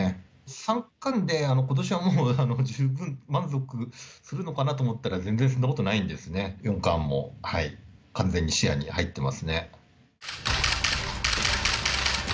三冠でことしはもう、十分満足するのかなと思ったら、全然そんなことないんですね、四冠も完全に視野に入っていますね。